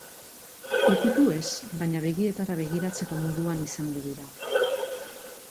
Ikutu ez baina, begietara begiratzeko moduan izango dira.